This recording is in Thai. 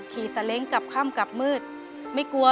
เปลี่ยนเพลงเก่งของคุณและข้ามผิดได้๑คำ